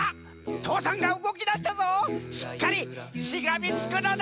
父山がうごきだしたぞしっかりしがみつくのだ！